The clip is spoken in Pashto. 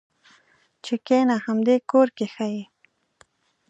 چې کېنه همدې کور کې ښه یې.